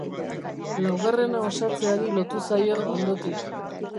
Laugarrena osatzeari lotu zaio ondotik.